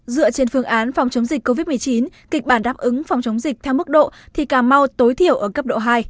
dựa trên phương án phòng chống dịch covid một mươi chín kịch bản đáp ứng phòng chống dịch theo mức độ thì cà mau tối thiểu ở cấp độ hai